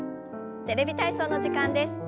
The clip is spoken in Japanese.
「テレビ体操」の時間です。